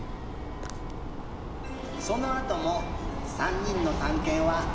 そのあとも３にんのたんけんはつづいたよ。